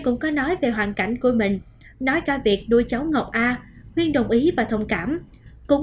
cũng có nói về hoàn cảnh của mình nói cả việc đuôi cháu ngọc a huyền đồng ý và thông cảm cũng